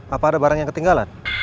apa ada barang yang ketinggalan